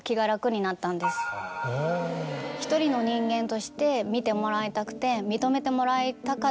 １人の人間として見てもらいたくて。